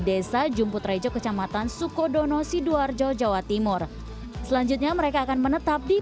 kota jumput rejo kecamatan sukodono sidoarjo jawa timur selanjutnya mereka akan menetap di